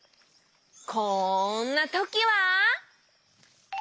こんなときは。